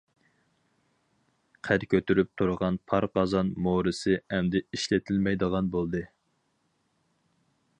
قەد كۆتۈرۈپ تۇرغان پار قازان مورىسى ئەمدى ئىشلىتىلمەيدىغان بولدى.